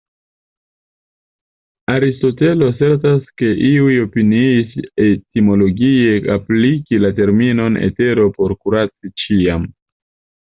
Aristotelo asertas ke iuj opiniis etimologie ekspliki la terminon “etero” per "kuri ĉiam”.